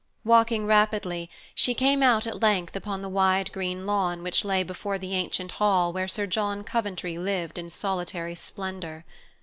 Walking rapidly, she came out at length upon the wide green lawn which lay before the ancient hall where Sir John Coventry lived in solitary splendor.